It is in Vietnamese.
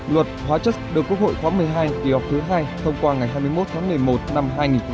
luật hóa chất được quốc hội khóa một mươi hai kỳ họp thứ hai thông qua ngày hai mươi một tháng một mươi một năm hai nghìn một mươi